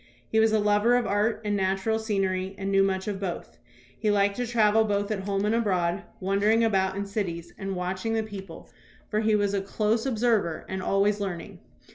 He was a lover of art and natural scenery and knew much of both. He liked to travel both at home and abroad, wandering about in cities and THOMAS BRACKETT REED 207 watching the people, for he was a close observer and always learning.